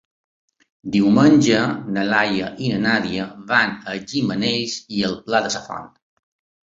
Diumenge na Laia i na Nàdia van a Gimenells i el Pla de la Font.